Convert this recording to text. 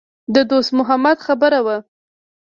د دوست محمد خبره وه.